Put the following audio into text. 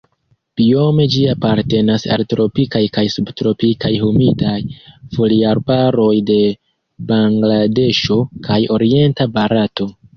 Biome ĝi apartenas al tropikaj kaj subtropikaj humidaj foliarbaroj de Bangladeŝo kaj orienta Barato.